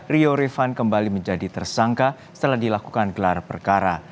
rio rifan kembali menjadi tersangka setelah dilakukan gelar perkara